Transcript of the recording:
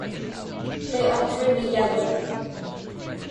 They are creamy yellow.